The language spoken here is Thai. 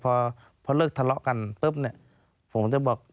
พอเลิกทะเลาะกันปุ๊บเนี่ยผมจะบอก